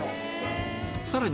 さらに